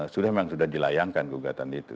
sudah memang sudah dilayangkan gugatan itu